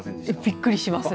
びっくりしますね。